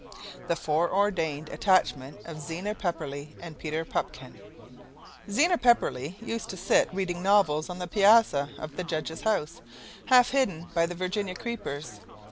The Fore ordained Attachment of Zena Pepperleigh and Peter Pupkin Zena Pepperleigh used to sit reading novels on the piazza of the judge's house, half hidden by the Virginia creepers.